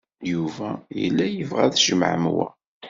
Yuba yella yebɣa ad tjemɛem wa.